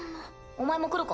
お前も来るか？